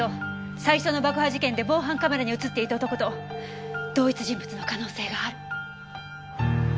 最初の爆破事件で防犯カメラに映っていた男と同一人物の可能性がある。